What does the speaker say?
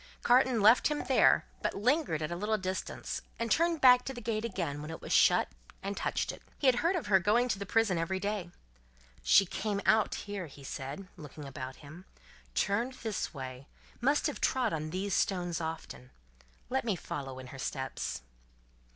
Carton left him there; but lingered at a little distance, and turned back to the gate again when it was shut, and touched it. He had heard of her going to the prison every day. "She came out here," he said, looking about him, "turned this way, must have trod on these stones often. Let me follow in her steps."